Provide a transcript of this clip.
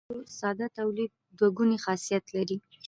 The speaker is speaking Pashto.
د توکو ساده تولید دوه ګونی خاصیت لري.